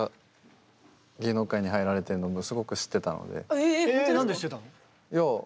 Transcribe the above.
え何で知ってたの？